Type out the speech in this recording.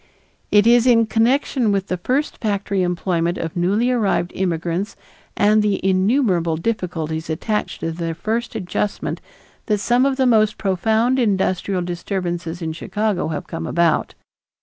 It is in connection with the first factory employment of newly arrived immigrants and the innumerable difficulties attached to their first adjustment that some of the most profound industrial disturbances in Chicago have come about.